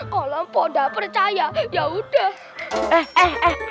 kalau poda percaya yaudah